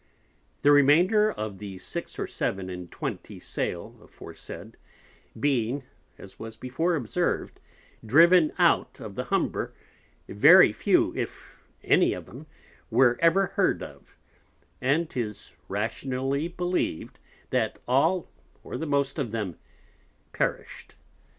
The remainder of the six or seven and twenty Sail aforesaid, being (as was before observed) driven out of the Humber, very few, if any of 'em, were ever heard of; and 'tis rationally believ'd, that all, or the most of them, perished.